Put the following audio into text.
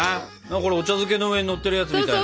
これお茶漬けの上にのってるやつみたいな。